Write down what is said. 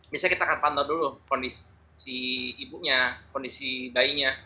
misalnya kita akan pantau dulu kondisi si ibunya kondisi bayinya